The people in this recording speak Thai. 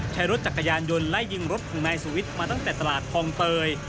ใช้รถจักรยานยนต์ไล่ยิงรถของนายสุวิทย์มาตั้งแต่ตลาดคลองเตย